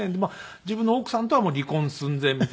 自分の奥さんとはもう離婚寸前みたいな。